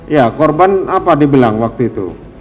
ya korban apa dia bilang waktu itu